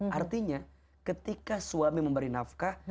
karena ketika suami memberi nafkah